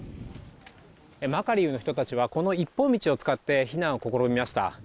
マカリウの人たちは、この一本道を使って避難を試みました。